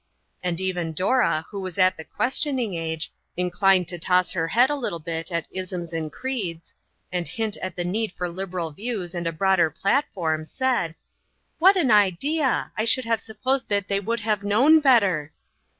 And even Dora, who was at the questioning age, inclined to tosr her head a little bit at isms and creeds, and hint at the need for liberal views and a broader platform, said :" What an idea ! I should have supposed that they would have known better."